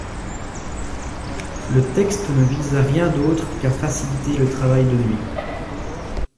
Le texte ne vise à rien d’autre qu’à faciliter le travail de nuit.